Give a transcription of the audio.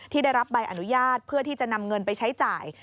ได้รับใบอนุญาตเพื่อที่จะนำเงินไปใช้จ่าย